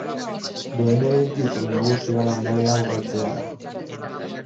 Duen eginkizun nagusia landarea ugaltzea da.